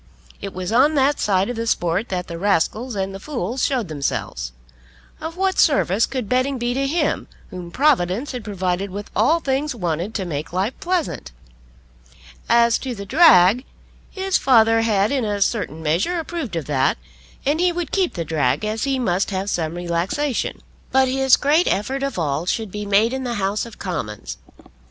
It was on that side of the sport that the rascals and the fools showed themselves. Of what service could betting be to him whom Providence had provided with all things wanted to make life pleasant? As to the drag, his father had in a certain measure approved of that, and he would keep the drag, as he must have some relaxation. But his great effort of all should be made in the House of Commons.